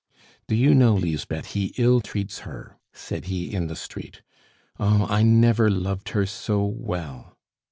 "Do you know, Lisbeth, he ill treats her!" said he in the street. "Oh, I never loved her so well!"